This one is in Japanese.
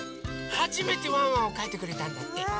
はじめてワンワンをかいてくれたんだって！